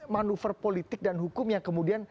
manuver politik dan hukum yang kemudian